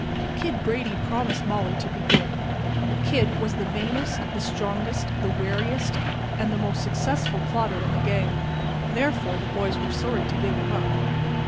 "Kid" Brady promised Molly to be good. "Kid" was the vainest, the strongest, the wariest and the most successful plotter in the gang. Therefore, the boys were sorry to give him up.